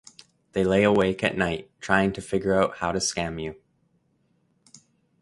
They lay awake at night trying to figure out how to scam you.